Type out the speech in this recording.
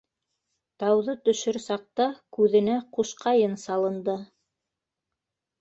Тауҙы төшөр саҡта күҙенә ҡушҡайын салынды.